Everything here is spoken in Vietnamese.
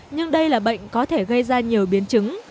nhưng đây là bệnh có thể gây ra nhiều biến chứng